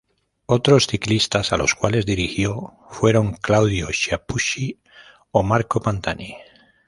Otros ciclistas a los cuales dirigió fueran Claudio Chiappucci o Marco Pantani.